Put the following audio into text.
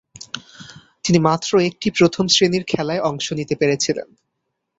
তিনি মাত্র একটি প্রথম-শ্রেণীর খেলায় অংশ নিতে পেরেছিলেন।